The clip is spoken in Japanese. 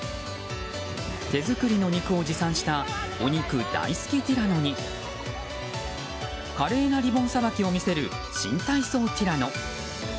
手作りの肉を持参したお肉大好きティラノに華麗なリボンさばきを見せる新体操ティラノ。